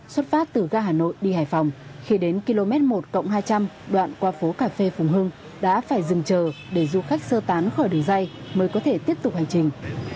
xuất phát từ ga hà nội đi hải phòng khi đến km một hai trăm linh đoạn qua phố cà phê phùng hưng đã phải dừng chờ để du khách sơ tán khỏi đường dây mới có thể tiếp tục hành trình